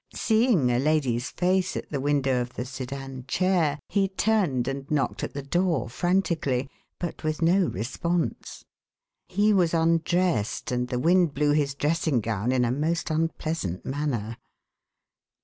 Seeing a lady's face at the window of the sedan chair, he turned and knocked at the door frantically, but with no response. He was undressed and the wind blew his dressing gown in a most unpleasant manner.